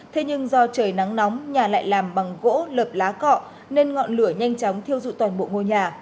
thế nhưng do trời nắng nóng nhà lại làm bằng gỗ lợp lá cọ nên ngọn lửa nhanh chóng thiêu dụi toàn bộ ngôi nhà